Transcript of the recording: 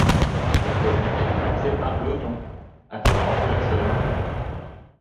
La commune est traversée par l'Ognon, affluent de la Saône.